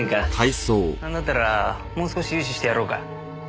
なんだったらもう少し融資してやろうか？